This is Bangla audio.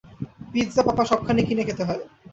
পিৎজা পপা সবখানেই কিনে খেতে হয়।